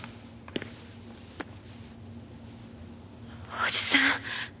おじさん。